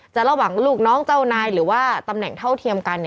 ระหว่างลูกน้องเจ้านายหรือว่าตำแหน่งเท่าเทียมกัน